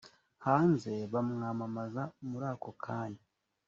hanze bamwamamaza muri ako kanya